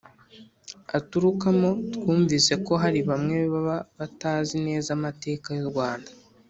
aturukamo. twumvise ko hari bamwe baba batazi neza amateka y'u